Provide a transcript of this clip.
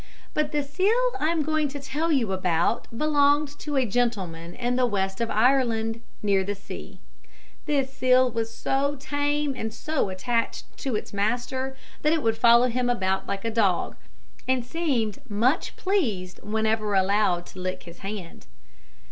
But the seal I am going to tell you about belonged to a gentleman in the west of Ireland, near the sea. This seal was so tame, and so attached to its master, that it would follow him about like a dog, and seemed much pleased whenever allowed to lick his hand.